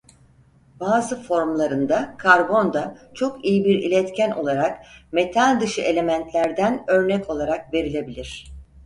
Bazı formlarında karbon da çok iyi bir iletken olarak metal dışı elementlerden örnek olarak verilebilir.